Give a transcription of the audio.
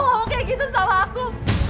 wow kayak gitu sama aku